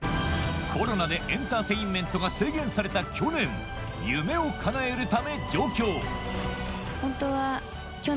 コロナでエンターテインメントが制限された去年夢をかなえるため上京ホントは。